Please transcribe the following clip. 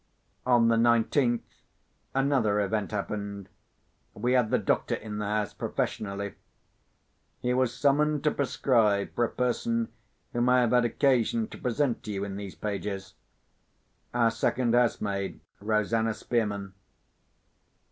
On the nineteenth another event happened. We had the doctor in the house professionally. He was summoned to prescribe for a person whom I have had occasion to present to you in these pages—our second housemaid, Rosanna Spearman.